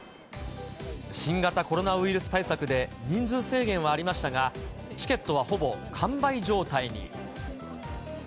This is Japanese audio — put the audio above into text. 新型コロナウイルス対策で人数制限はありましたが、チケットはほぼ完売状態に。